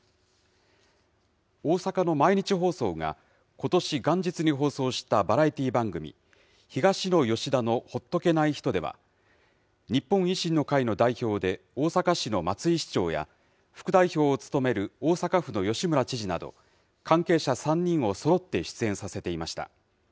大阪の毎日放送が、ことし元日に放送したバラエティー番組、東野＆吉田のほっとけない人では、日本維新の会の代表で、大阪市の松井市長や、副代表を務める大阪府の吉村知事など、関係者３人をそろって出演させていました。